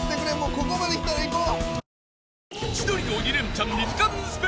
ここまできたらいこう！